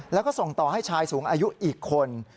แล้วก็ส่งต่อให้ชายสูงอายุอีกคน